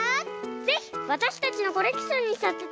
ぜひわたしたちのコレクションにさせてください！